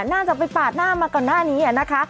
น่าจะไปปาดหน้ามาก่อนหน้านี้นะคะ